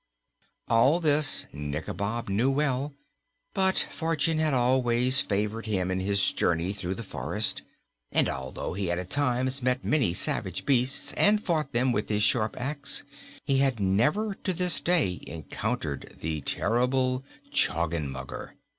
All this Nikobob knew well, but fortune had always favored him in his journey through the forest, and although he had at times met many savage beasts and fought them with his sharp ax, he had never to this day encountered the terrible Choggenmugger.